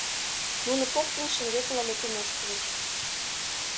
Нуно коктын шеҥгекыла лектын ошкыльыч.